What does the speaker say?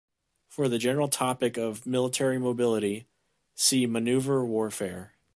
For the general topic of military mobility, see maneuver warfare.